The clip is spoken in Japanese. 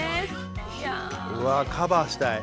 うわぁカバーしたい。